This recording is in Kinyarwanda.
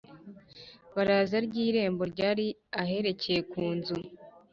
baraza ry irembo ryari aherekeye ku nzu